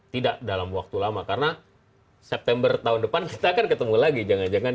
tidak dalam waktu lama karena september tahun depan kita akan ketemu lagi jangan jangan